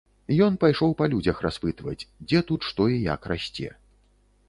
Ён пайшоў па людзях распытваць, дзе тут што і як расце.